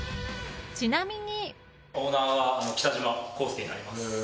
ちなみに。